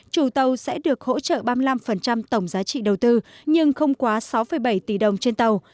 chủ tàu sẽ được hỗ trợ ba mươi năm tổng giá trị đầu tư nhưng không quá sáu bảy tỷ đồng trên tàu